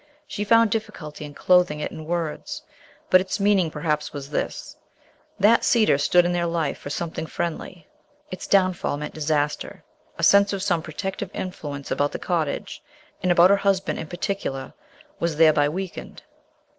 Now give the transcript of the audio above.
She found difficulty in clothing it in words, but its meaning perhaps was this: That cedar stood in their life for something friendly; its downfall meant disaster; a sense of some protective influence about the cottage, and about her husband in particular, was thereby weakened.